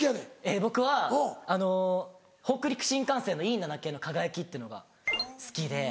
僕はあの北陸新幹線のＥ７系のかがやきっていうのが好きで。